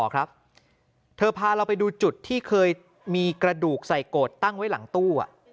ครับเธอพาเราไปดูจุดที่เคยมีกระดูกใส่โกรธตั้งไว้หลังตู้